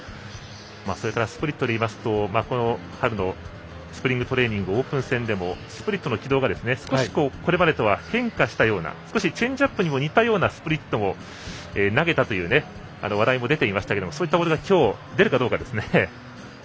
スプリットでいいますと春のスプリングトレーニングオープン戦でもスプリットの軌道が少しこれまでとは変化したようなチェンジアップにも似たようなスプリットを投げたという話題も出ていましたがそういったボールが今日、出るかどうかですね。